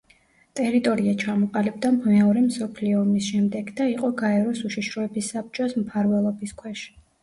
ტერიტორია ჩამოყალიბდა მეორე მსოფლიო ომის შემდეგ და იყო გაეროს უშიშროების საბჭოს მფარველობის ქვეშ.